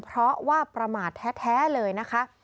เพราะว่าประมาทแท้เลยนะคะ